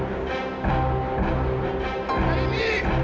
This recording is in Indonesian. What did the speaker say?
arman kok pake gelangi itu